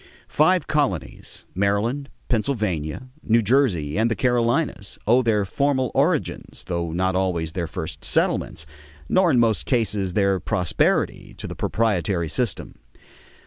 Five colonies, Maryland, Pennsylvania, New Jersey, and the Carolinas, owe their formal origins, though not always their first settlements, nor in most cases their prosperity, to the proprietary system.